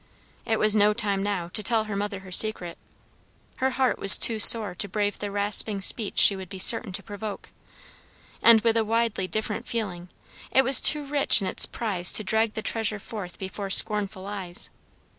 It was no time now, to tell her mother her secret. Her heart was too sore to brave the rasping speech she would be certain to provoke. And with a widely different feeling, it was too rich in its prize to drag the treasure forth before scornful eyes.